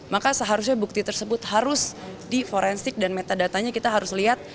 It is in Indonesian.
maka seharusnya bukti tersebut harus diforensik dan metadata nya kita harus lihat